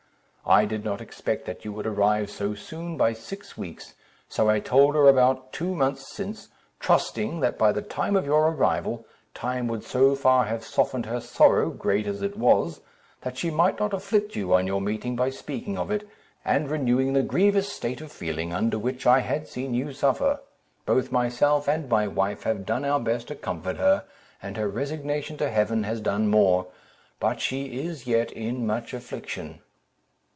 I did not expect that you would arrive so soon by six weeks, so I told her about two months since, trusting, that by the time of your arrival, time would so far have softened her sorrow (great as it was), that she might not afflict you on your meeting by speaking of it, and renewing the grievous state of feeling under which I had seen you suffer; both myself and my wife have done our best to comfort her, and her resignation to Heaven has done more; but she is yet in much affliction."